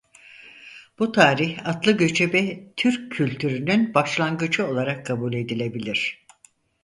Bu tarih atlı göçebe Türk kültürünün başlangıcı olarak kabul edilebilir.